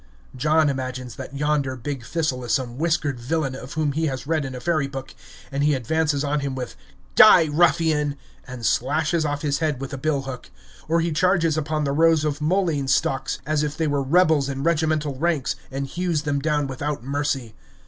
John imagines that yonder big thistle is some whiskered villain, of whom he has read in a fairy book, and he advances on him with "Die, ruffian!" and slashes off his head with the bill hook; or he charges upon the rows of mullein stalks as if they were rebels in regimental ranks, and hews them down without mercy.